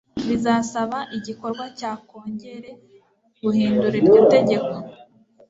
Bizasaba igikorwa cya Kongere guhindura iryo tegeko.